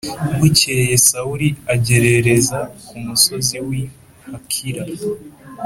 Bukeye Sawuli agerereza ku musozi w’i Hakila